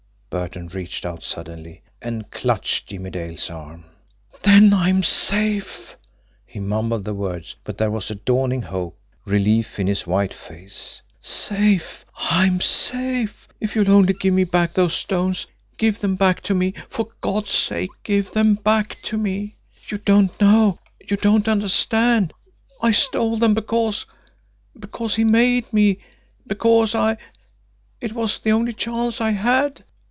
Burton reached out suddenly and clutched Jimmie Dale's arm. "Then I'm safe!" He mumbled the words, but there was dawning hope, relief in his white face. "Safe! I'm safe if you'll only give me back those stones. Give them back to me, for God's sake give them back to me! You don't know you don't understand. I stole them because because he made me because I it was the only chance I had.